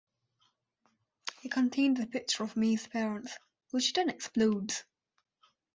It contains a picture of May's parents, which then explodes.